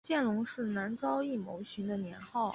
见龙是南诏异牟寻的年号。